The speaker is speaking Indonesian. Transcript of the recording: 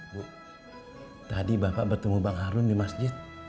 bu tadi bapak bertemu bang harun di masjid